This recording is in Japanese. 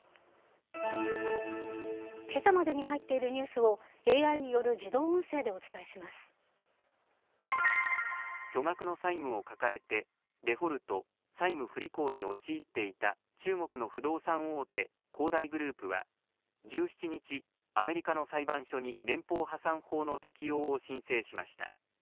けさまでに入っているニュースを、ＡＩによる自動音声でお伝巨額の債務を抱えて、デフォルト・債務不履行に陥っていた中国の不動産大手、恒大グループは、１７日、アメリカの裁判所に連邦破産法の適用を申請しました。